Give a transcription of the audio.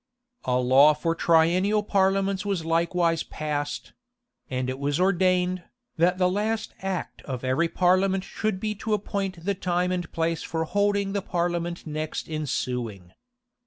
[] A law for triennial parliaments was likewise passed; and it was ordained, that the last act of every parliament should be to appoint the time and place for holding the parliament next ensuing.